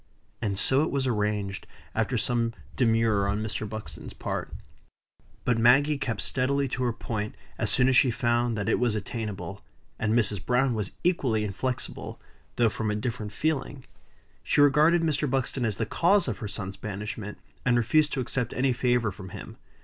And so it was arranged, after some demur on Mr. Buxton's part. But Maggie kept steadily to her point as soon as she found that it was attainable; and Mrs. Browne was equally inflexible, though from a different feeling. She regarded Mr. Buxton as the cause of her son's banishment, and refused to accept of any favor from him.